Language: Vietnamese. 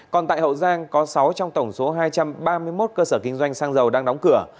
còn tại hậu giang có sáu trong tổng số hai trăm ba mươi một cơ sở kinh doanh xăng dầu đang đóng cửa